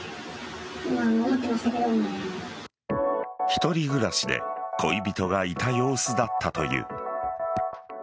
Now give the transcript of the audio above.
一人暮らしで恋人がいた様子だったという。